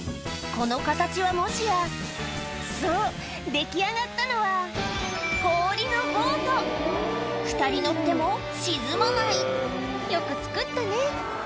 この形はもしやそう出来上がったのは２人乗っても沈まないよく造ったね